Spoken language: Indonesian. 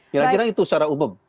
kira kira itu secara umum